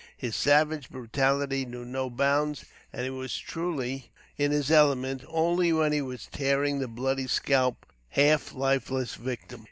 His savage brutality knew no bounds, and he was truly in his element, only when he was tearing the bloody scalp from his half lifeless victim.